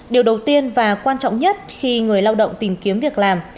điều đầu tiên và quan trọng nhất khi người lao động tìm kiếm việc làm